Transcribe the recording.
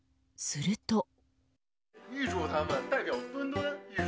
すると。